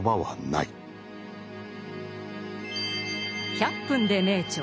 「１００分ｄｅ名著」